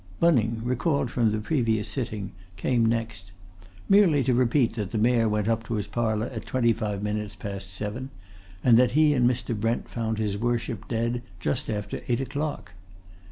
Bunning, recalled from the previous sitting, came next merely to repeat that the Mayor went up to his parlour at twenty five minutes past seven, and that he and Mr. Brent found his Worship dead just after eight o'clock.